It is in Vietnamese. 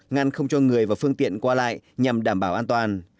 ngăn không cho người và phương tiện qua lại nhằm đảm bảo an toàn